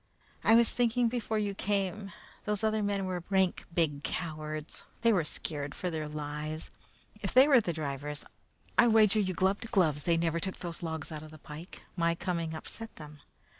"I was thinking before you came. Those other men were rank big cowards. They were scared for their lives. If they were the drivers, I wager you gloves against gloves they never took those logs out to the pike. My coming upset them.